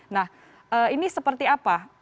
nah ini seperti apa